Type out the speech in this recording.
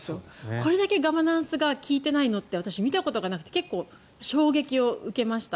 これだけガバナンスが利いてないのって私、見たことなくて衝撃を受けました。